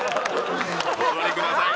お座りください